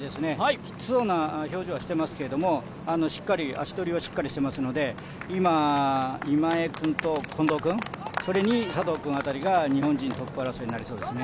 きつそうな表情はしていますけど、足取りはしっかりしていますので、今、今江君と近藤君、それに佐藤君辺りが日本人トップ争いになりそうですね。